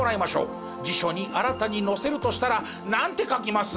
辞書に新たに載せるとしたらなんて書きます？